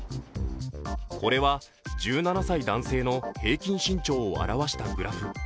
これは、１７歳男性の平均身長を表したグラフ。